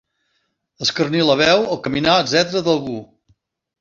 Escarnir la veu, el caminar, etc., d'algú.